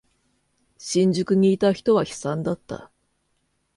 新宿にいた人は悲惨だった。